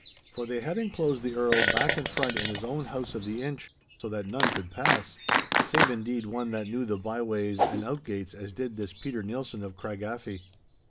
For they had enclosed the Earl back and front in his own house of the Inch, so that none could pass—save indeed one that knew the byeways and outgates as did this Peter Neilson of Craigaffie.